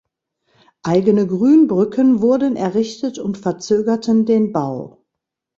Eigene Grünbrücken wurden errichtet und verzögerten den Bau.